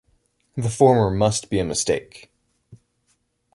The former must be a mistake.